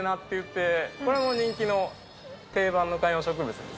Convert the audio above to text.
これも人気の定番の観葉植物ですね。